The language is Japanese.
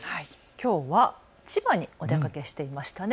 きょうは千葉にお出かけしていましたね。